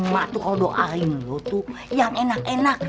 mak itu kalau doain lo itu yang enak enak